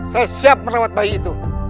saya siap merawat bayi itu